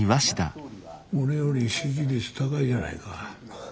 俺より支持率高いじゃないか。